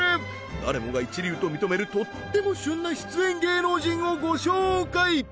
誰もが一流と認めるとっても旬な出演芸能人をご紹介